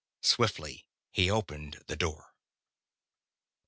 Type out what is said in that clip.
Swiftly, he opened the door....